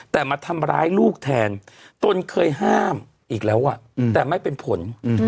แต่มาทำร้ายลูกแทนตนเคยห้ามอีกแล้วแต่ไม่เป็นผล